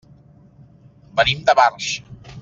Venim de Barx.